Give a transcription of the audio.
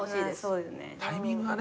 タイミングがね。